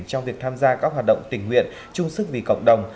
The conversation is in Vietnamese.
trong việc tham gia các hoạt động tình nguyện chung sức vì cộng đồng